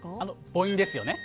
母音ですよね。